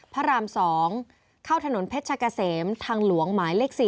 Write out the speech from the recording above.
พระราม๒เข้าถนนเพชรกะเสมทางหลวงหมายเลข๔